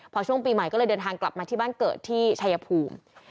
พอช่วงปีใหม่ก็เลยเดินทางกลับมาที่บ้านเกิดที่ชายภูมิ